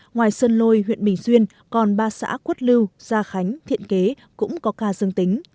ngoài sơn lôi huyện bình xuyên còn ba xã quất lưu gia khánh thiện kế cũng có ca dương tính